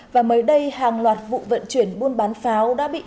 và mới đây hàng loạt vụ vận chuyển buôn bán pháo đã bị